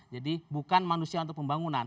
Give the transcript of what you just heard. jadi bukan manusia untuk pembangunan